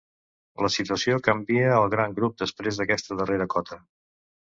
La situació canvia al gran grup després d'aquesta darrera cota.